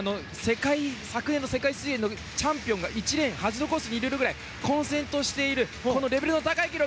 昨年の世界水泳のチャンピオン１レーンにいるぐらい混戦としているレベルの高い記録。